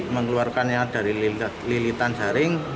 mengeluarkannya dari lilitan jaring